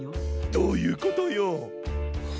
どういうことよ。